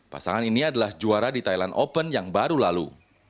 pasangan ini adalah juara di thailand open yang baru lalu